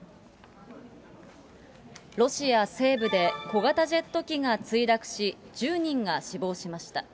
ロシア西部で小型ジェット機が墜落し、１０人が死亡しました。